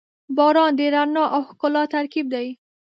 • باران د رڼا او ښکلا ترکیب دی.